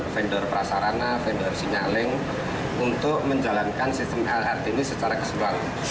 vendor prasarana vendor sinyaling untuk menjalankan sistem lrt ini secara keseluruhan